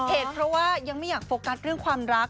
เหตุเพราะว่ายังไม่อยากโฟกัสเรื่องความรัก